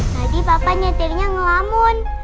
tadi papa nyetirnya ngelamun